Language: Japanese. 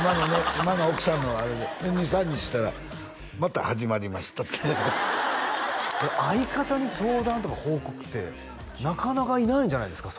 今の奥さんのあれで２３日したら「また始まりました」って相方に相談とか報告ってなかなかいないんじゃないですか？